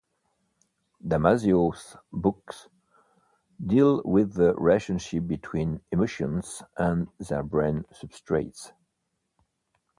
Damasio's books deal with the relationship between emotions and their brain substrates.